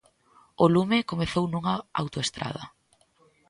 O lume comezou nunha autoestrada.